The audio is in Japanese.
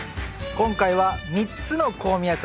今回は３つの香味野菜。